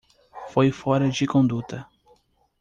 Foi fora de conduta.